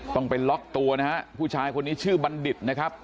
ต้องไปล็อกตัวนะฮะผู้ชายคนนี้ชื่อบัณฑิตนะครับ